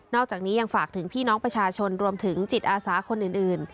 อกจากนี้ยังฝากถึงพี่น้องประชาชนรวมถึงจิตอาสาคนอื่น